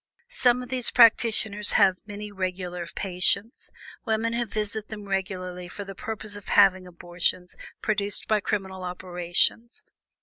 Some of these practitioners have many regular patients women who visit them regularly for the purpose of having abortions produced by criminal operations.